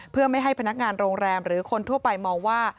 เพื่อไม่ให้พนักงานโรงแรมหรือคนทั่วไปมองว่า